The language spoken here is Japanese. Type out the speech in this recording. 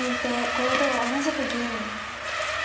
５五同じく銀。